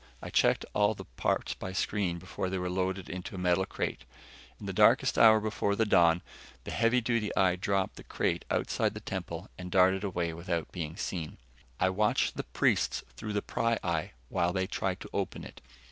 I checked all the parts by screen before they were loaded in a metal crate. In the darkest hour before dawn, the heavy duty eye dropped the crate outside the temple and darted away without being seen. I watched the priests through the pryeye while they tried to open it.